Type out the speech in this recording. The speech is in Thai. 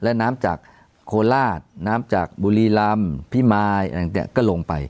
แล้วน้ำจากโคนราชน้ำจากบุรีลำพี่ไมซ์ก็ลงไป